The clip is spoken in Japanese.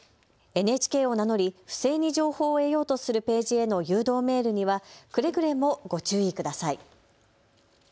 ＮＨＫを名乗り不正に情報を得ようとするページへの誘導メールにはくれぐれもご注意ください。